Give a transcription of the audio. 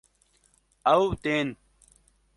Ew tên